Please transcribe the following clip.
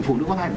phụ nữ có thai